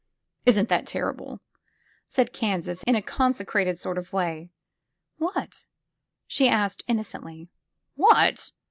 '* Isn 't that terrible !'' said Kansas in a concentrated sort of way. What?" she asked innocently. What?'